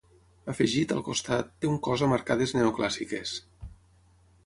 Afegit, al costat, té un cos amb arcades neoclàssiques.